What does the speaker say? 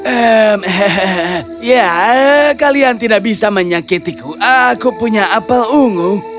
ehm ya kalian tidak bisa menyakitiku aku punya apel ungu